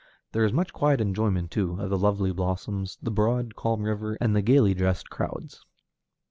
There is much quiet enjoyment, too, of the lovely blossoms, the broad, calm river, and the gayly dressed crowds.